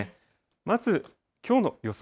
まず、きょうの予想